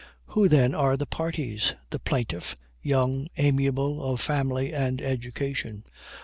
Who, then, are the parties? The plaintiff, young, amiable, of family and education.